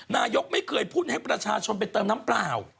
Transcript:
นายกไม่เคยพูดให้ประชาชนไปเติมน้ำเปล่า